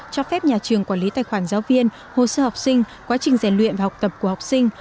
cho phép nhà trường quản lý tài khoản giáo viên hồ sơ học sinh quá trình rèn luyện và học tập của học sinh